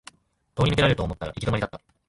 通り抜けられると思ったら行き止まりだった